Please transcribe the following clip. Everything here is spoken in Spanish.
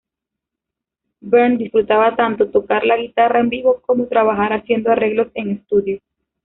Bernd disfrutaba tanto tocar la guitarra en vivo como trabajar haciendo arreglos en estudio.